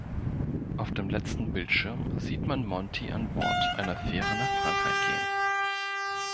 Auf dem letzten Bildschirm sieht man Monty an Bord einer Fähre nach Frankreich gehen.